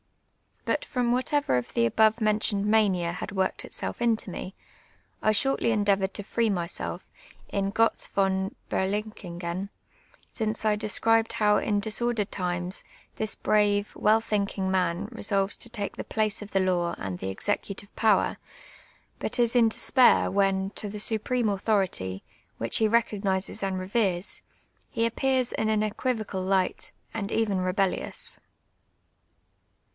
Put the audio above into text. IJut from whatever of the above men tioned mania had worked itself into me, I shortly endeavoured to free myself in (jotz von JJeriic/n'fi(/en, since I descrilx'd how in disordered times this brave, well thinkin*^ man resolves to take the place of the law and the executive ])ower, but is in despair when, to the supreme authority, which he recogni.ses and reveres, he aj)pcais iu an eijuivocid bght, and even rebellious.